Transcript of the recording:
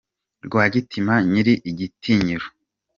Rwagitinywa nyir’ igitinyiro